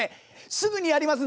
すぐにやりますんで。